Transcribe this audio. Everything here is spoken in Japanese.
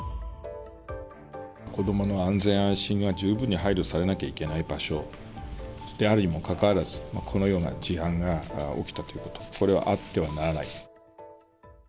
子どもの安全・安心が十分に配慮されなきゃいけない場所であるにもかかわらず、このような事案が起きたということ、これはあってはならない。